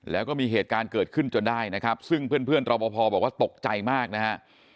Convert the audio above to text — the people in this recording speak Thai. แล้วก็มีเหตุการณ์เกิดขึ้นจนได้นะครับซึ่งเพื่อนรอปภบอกว่าตกใจมากนะฮะ